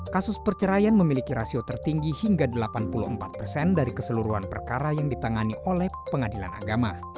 kasus perceraian memiliki rasio tertinggi hingga delapan puluh empat persen dari keseluruhan perkara yang ditangani oleh pengadilan agama